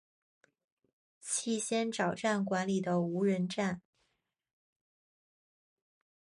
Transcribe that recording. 气仙沼站管理的无人站。